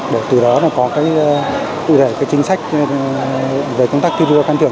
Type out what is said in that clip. để từ đó có cái cụ thể cái chính sách về công tác thi đua can thiệp